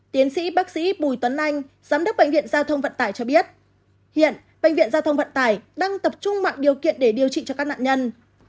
tiến sĩ bác sĩ bùi tuấn anh giám đốc bệnh viện giao thông vận tải cho biết hiện bệnh viện giao thông vận tải đang tập trung mạng điều kiện để điều trị cho các nạn nhân